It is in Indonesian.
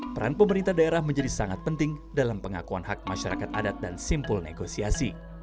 peran pemerintah daerah menjadi sangat penting dalam pengakuan hak masyarakat adat dan simpul negosiasi